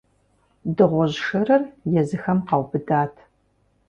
Дыгъужь шырыр езыхэм къаубыдат.